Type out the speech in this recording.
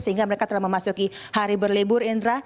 sehingga mereka telah memasuki hari berlibur indra